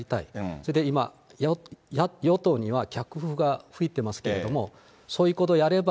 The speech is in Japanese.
それで今、与党には逆風が吹いていますけれども、そういうことをやれば。